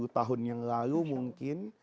dua puluh tahun yang lalu mungkin